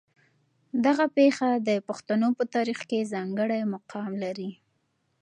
دغه پېښه د پښتنو په تاریخ کې ځانګړی مقام لري.